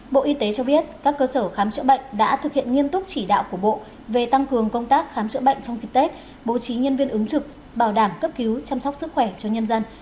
bộ y tế cho biết các cơ sở khám chữa bệnh đã thực hiện nghiêm túc chỉ đạo của bộ về tăng cường công tác khám chữa bệnh trong dịp tết bố trí nhân viên ứng trực bảo đảm cấp cứu chăm sóc sức khỏe cho nhân dân